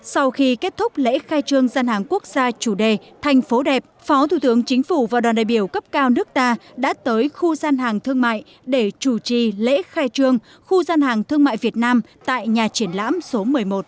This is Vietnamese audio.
sau khi kết thúc lễ khai trương gian hàng quốc gia chủ đề thành phố đẹp phó thủ tướng chính phủ và đoàn đại biểu cấp cao nước ta đã tới khu gian hàng thương mại để chủ trì lễ khai trương khu gian hàng thương mại việt nam tại nhà triển lãm số một mươi một